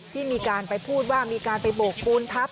ที่มีการไปพูดว่ามีการไปโบกปูนทัพ